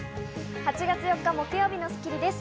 ８月４日、木曜日の『スッキリ』です。